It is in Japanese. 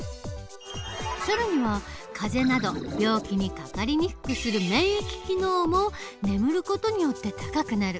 更には風邪など病気にかかりにくくする免疫機能も眠る事によって高くなる。